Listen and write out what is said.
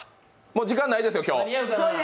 もう時間ないですよ、今日。